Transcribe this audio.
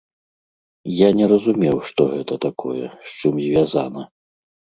Я не разумеў, што гэта такое, з чым звязана.